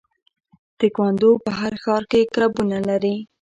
تکواندو په هر ښار کې کلبونه لري.